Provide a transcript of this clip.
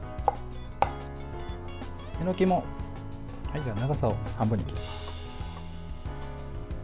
えのきも長さを半分に切ります。